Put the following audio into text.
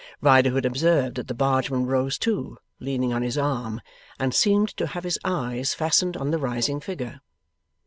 Riderhood observed that the bargeman rose too, leaning on his arm, and seemed to have his eyes fastened on the rising figure.